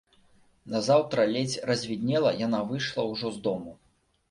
Назаўтра, ледзь развіднела, яна выйшла ўжо з дому.